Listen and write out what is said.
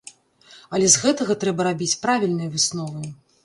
Але з гэтага трэба рабіць правільныя высновы.